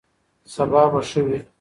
سبا به ښه وي.